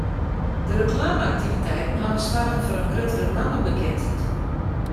De reklame-aktiviteiten hawwe soarge foar in gruttere nammebekendheid.